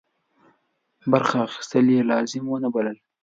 برخه اخیستل یې لازم ونه بلل.